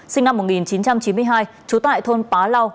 sinh năm một nghìn chín trăm chín mươi hai trú tại thôn bá lau